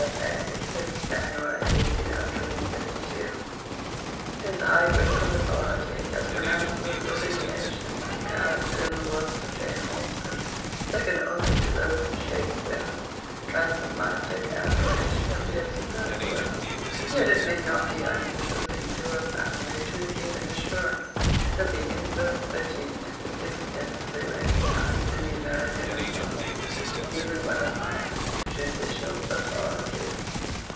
S.A. 6th Jan. 1852. 'Since high critical authority has pronounced the delineations of character in the works of Jane Austen second only to those of Shakspeare, transatlantic admiration appears superfluous; yet it may not be uninteresting to her family to receive an assurance that the influence of her genius is extensively recognised in the American Republic, even by the highest judicial authorities.